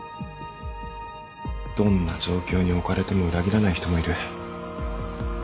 どんな状況に置かれても裏切らない人もいる。